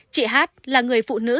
chị h là người phụ nữ